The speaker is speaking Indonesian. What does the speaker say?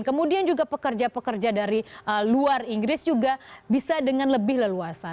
kemudian juga pekerja pekerja dari luar inggris juga bisa dengan lebih leluasa